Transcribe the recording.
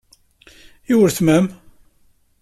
I weltma-m?